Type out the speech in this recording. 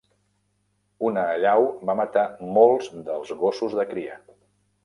Una allau va matar molts dels gossos de cria.